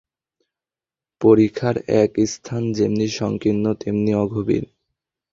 পরিখার এক স্থান যেমনি সংকীর্ণ তেমনি অগভীর।